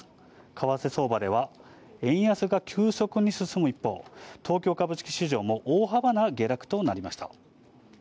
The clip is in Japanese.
為替相場では、円安が急速に進む一方、東京株式市場も大幅な下落となりました。